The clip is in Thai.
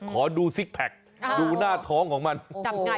ขอดูซิกแพคดูหน้าท้องของมันจับไหงท้องเลย